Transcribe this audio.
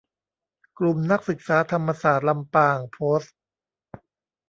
กลุ่มนักศึกษาธรรมศาสตร์ ลำปาง โพสต์